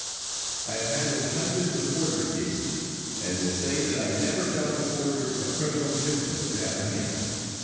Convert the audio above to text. I have handled hundreds of forgery cases and will say that I never found the forger a criminal difficult to apprehend.